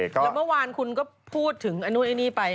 แล้วเมื่อวานคุณก็พูดถึงอันนู้นอันนี้ไป